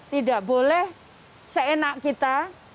tidak boleh seenak kita